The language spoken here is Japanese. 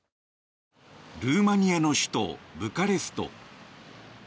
ルーマニアの首都ブカレスト。